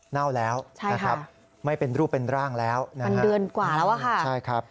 เน่าแล้วนะครับไม่เป็นรูปเป็นร่างแล้วนะครับค่ะใช่ค่ะมันเดือนกว่าแล้วค่ะ